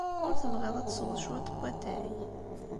Ur tebɣiḍ ad tesweḍ cwiṭ n watay?